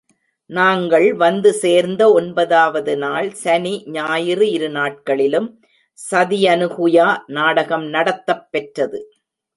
நாங்கள் வந்து சேர்ந்த ஒன்பதாவது நாள் சனி, ஞாயிறு இரு நாட்களிலும் சதியனுகுயா நாடகம் நடத்தப் பெற்றது.